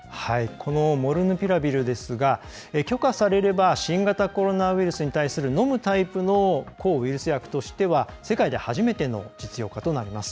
このモルヌピラビルですが許可されれば新型コロナウイルスに対する飲むタイプの抗ウイルス薬としては世界で初めての実用化となります。